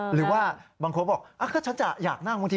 หรือว่าบางคนบอกก็ฉันจะอยากนั่งบางที